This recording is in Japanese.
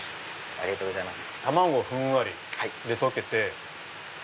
ありがとうございます。